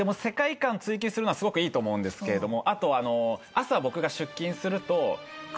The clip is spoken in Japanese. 世界観追求するのはすごくいいと思うんですけれどもあと朝僕が。